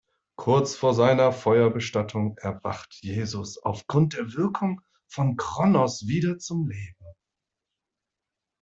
Kurz vor seiner Feuerbestattung erwacht Jesus aufgrund der Wirkung von Cronos wieder zum Leben.